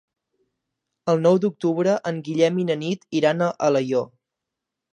El nou d'octubre en Guillem i na Nit iran a Alaior.